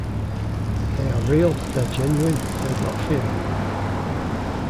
They are real, they're genuine, they got feeling.